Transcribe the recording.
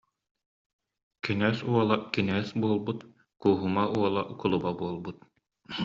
Кэнээр уола кинээс буолбут, Кууһума уола кулуба буолбут